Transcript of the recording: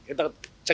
kita cek dulu ya